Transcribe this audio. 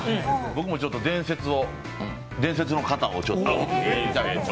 僕もちょっと伝説の方をちょっと。